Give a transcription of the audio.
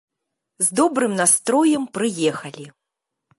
З добрым настроем прыехалі.